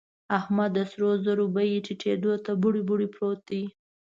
احمد د سرو زرو بيې ټيټېدو ته بوړۍ بوړۍ پروت دی.